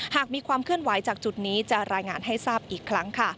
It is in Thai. หากมีความเคลื่อนไหวจากจุดนี้จะรายงานให้ทราบอีกครั้งค่ะ